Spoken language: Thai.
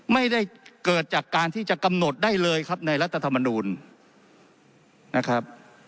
ไม่ได้เกิดจากการที่จะกำหนดได้เลยครับในรัฐธรรมนูลนะครับ